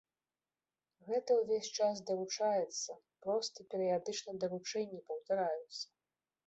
Гэта ўвесь час даручаецца, проста перыядычна даручэнні паўтараюцца.